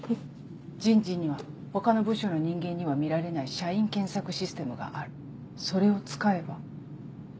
人事には他の部署の人間には見られない社員検索システムがあるそれを使えば。